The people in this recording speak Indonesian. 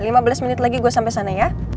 lima belas menit lagi gue sampai sana ya